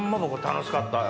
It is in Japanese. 楽しかったよ。